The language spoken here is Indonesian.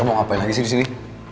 kau mau ngapain lagi sih disini